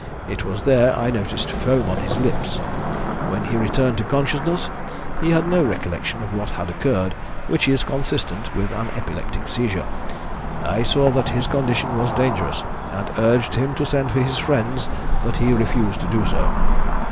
It was there I noticed foam on his lips. When he returned to consciousness he had no recollection of what had occurred, which is consistent with an epileptic seizure. I saw that his condition was dangerous, and urged him to send for his friends, but he refused to do so."